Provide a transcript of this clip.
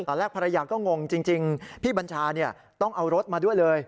ตอนแรกภรรยาก็งงจริงพี่บัญชาต้องเอารถมาด้วยเลย